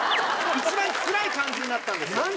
一番つらい感じになったんですよ。